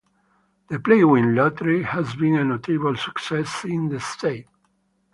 The Playwin lottery has been a notable success in the state.